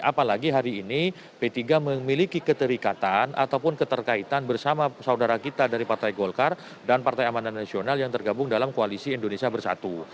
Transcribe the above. apalagi hari ini p tiga memiliki keterikatan ataupun keterkaitan bersama saudara kita dari partai golkar dan partai amanat nasional yang tergabung dalam koalisi indonesia bersatu